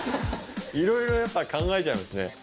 いろいろやっぱり考えちゃいますね。